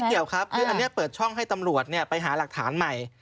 เกี่ยวครับคืออันนี้เปิดช่องให้ตำรวจไปหาหลักฐานใหม่